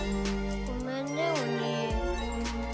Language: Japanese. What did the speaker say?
ごめんねお兄。